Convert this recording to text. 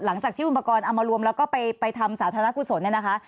หลังจากที่อุปกรณ์เอามารวมแล้วก็ไปทำสาธารณกุศลเนี่ยนะคะ